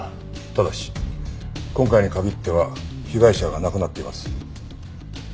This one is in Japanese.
ただし今回に限っては被害者が亡くなっています。